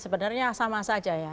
sebenarnya sama saja ya